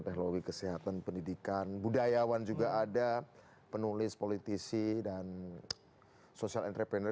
teknologi kesehatan pendidikan budayawan juga ada penulis politisi dan social entrepreneur